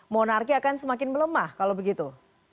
monarki akan semakin melemah kalau begitu